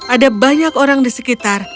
ada banyak orang di sekitar